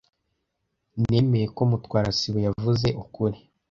Nemeye ko Mutwara sibo yavuze ukuri.